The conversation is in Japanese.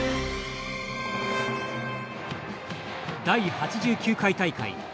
第８９回大会。